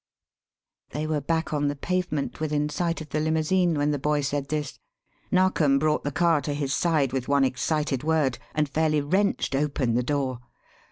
They were back on the pavement, within sight of the limousine, when the boy said this. Narkom brought the car to his side with one excited word, and fairly wrenched open the door.